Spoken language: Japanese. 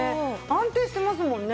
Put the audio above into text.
安定してますもんね。